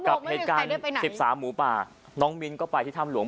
กับเหตุการณ์๑๓หมูป่าน้องมิ้นก็ไปที่ถ้ำหลวง